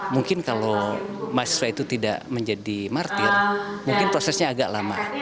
mungkin kalau mahasiswa itu tidak menjadi martir mungkin prosesnya agak lama